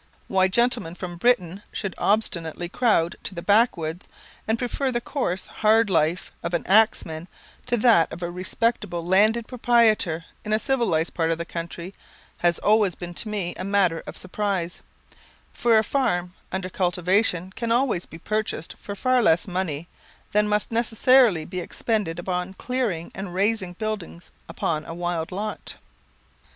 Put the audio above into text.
Why gentlemen from Britain should obstinately crowd to the Backwoods, and prefer the coarse, hard life of an axeman, to that of a respectable landed proprietor in a civilised part of the country, has always been to me a matter of surprise; for a farm under cultivation can always be purchased for less money than must necessarily be expended upon clearing and raising buildings upon a wild lot.